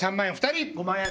５万円！